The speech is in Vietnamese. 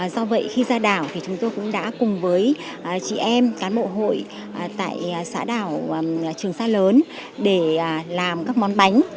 do vậy khi ra đảo thì chúng tôi cũng đã cùng với chị em cán bộ hội tại xã đảo trường sa lớn để làm các món bánh